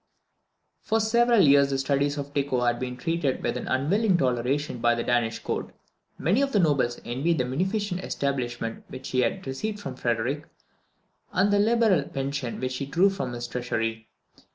For several years the studies of Tycho had been treated with an unwilling toleration by the Danish Court. Many of the nobles envied the munificent establishment which he had received from Frederick, and the liberal pension which he drew from his treasury.